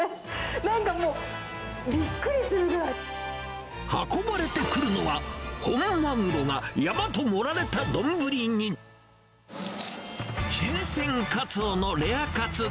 なんかもう、運ばれてくるのは、本マグロが山と盛られた丼に、新鮮カツオのレアカツ。